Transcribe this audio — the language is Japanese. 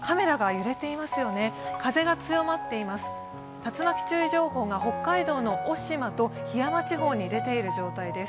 竜巻注意情報が北海道の渡島と檜山地方に出ている状況です。